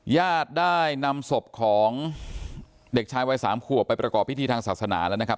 ญาติได้นำศพของเด็กชายวัย๓ขวบไปประกอบพิธีทางศาสนาแล้วนะครับ